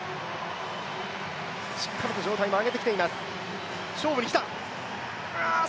しっかりと上体も上げてきています。